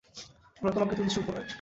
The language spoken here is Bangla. আমরা তোমাকে তুলছি উপরে!